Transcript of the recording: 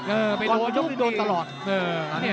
เออไปโดยยกทุกที